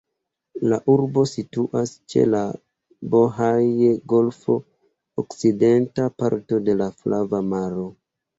La urbo situas ĉe la Bohaj-golfo, okcidenta parto de la Flava Maro.